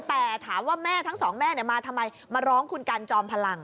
แต่ถามว่าแม่ทั้งสองแม่มาทำไมมาร้องคุณกันจอมพลัง